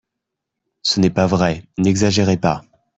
Ce n’est pas vrai, n’exagérez pas